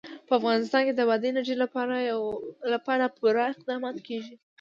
په افغانستان کې د بادي انرژي لپاره پوره اقدامات کېږي.